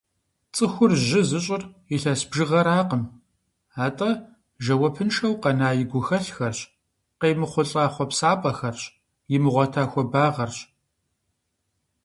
Цӏыхур жьы зыщӏыр илъэс бжыгъэракъым, атӏэ жэуапыншэу къэна и гухэлъхэрщ, къеймыхъулӏа хъуэпсапӏэхэрщ, имыгъуэта хуэбагъэрщ.